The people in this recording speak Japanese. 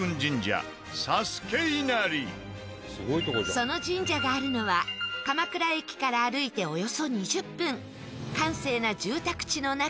その神社があるのは鎌倉駅から歩いておよそ２０分閑静な住宅地の中。